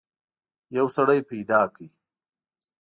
یو سړی پیدا کړ.